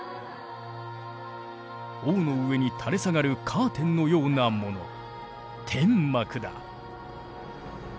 王の上に垂れ下がるカーテンのようなもの天幕だ。